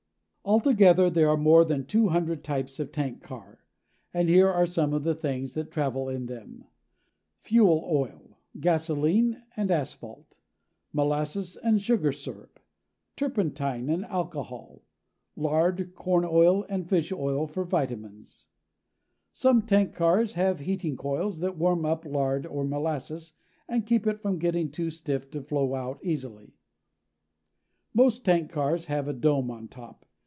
Altogether there are more than two hundred types of tank car, and here are some of the things that travel in them: fuel oil, gasoline, and asphalt; molasses and sugar syrup; turpentine and alcohol; lard, corn oil and fish oil for vitamins. Some tank cars have heating coils that warm up lard or molasses and keep it from getting too stiff to flow out easily. Most tank cars have a dome on top.